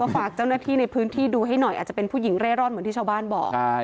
ฝากเจ้าหน้าที่ในพื้นที่ดูให้หน่อยอาจจะเป็นผู้หญิงเร่ร่อนเหมือนที่ชาวบ้านบอก